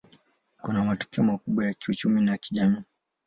Kuna matokeo makubwa ya kiuchumi na kijamii.